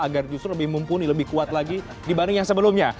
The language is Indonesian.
agar justru lebih mumpuni lebih kuat lagi dibanding yang sebelumnya